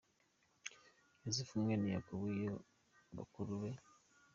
Yosefu mwene Yakobo iyo bakuru be.